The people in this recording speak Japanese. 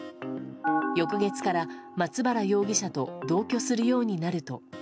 翌月から松原容疑者と同居するようになると。